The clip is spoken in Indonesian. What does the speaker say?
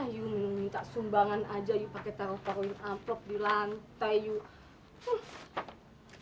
you minta sumbangan aja you pake taruh paruh you ampok di lantai you